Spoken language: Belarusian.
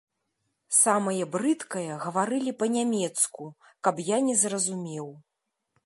Самае брыдкае гаварылі па-нямецку, каб я не зразумеў.